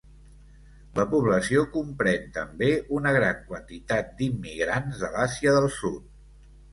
La població comprèn també una gran quantitat d'immigrants de l'Àsia del Sud.